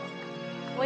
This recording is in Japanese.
おや？